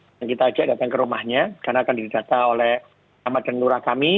akan kita ajak datang ke rumahnya karena akan didata oleh amat dan lurah kami